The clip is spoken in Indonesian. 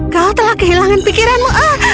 kau telah kehilangan pikiranmu